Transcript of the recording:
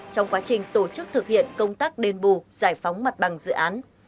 trong quá trình tổ chức thực hiện công tác đền bù giải phóng mặt bằng dự án